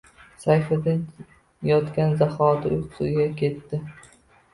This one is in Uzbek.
Sayfiddin yotgan zahoti uyquga ketdi